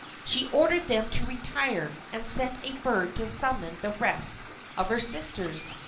She ordered them to retire, and sent a bird to summon the rest of her sisters.